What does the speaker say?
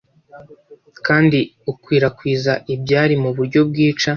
kandi ukwirakwiza ibyari, muburyo bwica